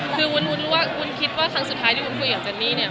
คือวุ้นรู้ว่าวุ้นคิดว่าครั้งสุดท้ายที่วุ้นคุยกับเจนนี่เนี่ย